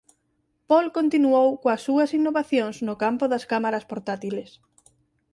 Paul continuou coas súas innovacións no campo das cámaras portátiles.